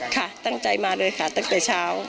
ค่ะตั้งใจมาเลยค่ะตั้งแต่เช้า